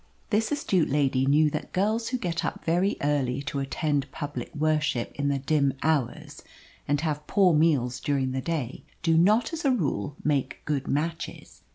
This astute lady knew that girls who get up very early to attend public worship in the dim hours, and have poor meals during the day, do not as a rule make good matches.